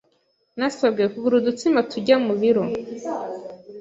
Nasabwe kugura udutsima tujya mu biro.